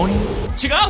違う！